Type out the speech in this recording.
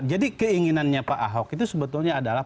jadi keinginannya pak ahok itu sebetulnya adalah